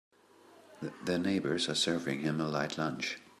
The neighbors are serving him a light lunch.